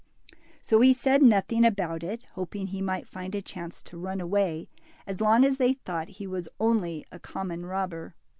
So he said nothing about it, hoping he might find a chance to run away, as long as they thought he was only a common robber.